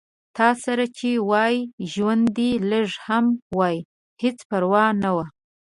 تاسره چې وای ژوند دې لږ هم وای هېڅ پرواه نه وه